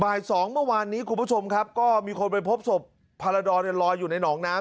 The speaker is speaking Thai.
บ่ายสองเมื่อวานนี้คุณผู้ชมครับก็มีคนไปพบศพพาราดรลอยอยู่ในหนองน้ำ